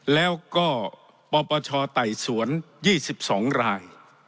แล้วก็ปปชไต่สวน๒๒ราย